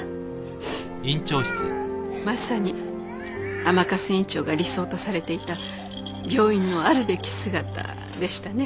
まさに甘春院長が理想とされていた病院のあるべき姿でしたね。